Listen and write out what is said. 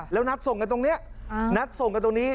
แล้วนัดส่งกันตรงนี้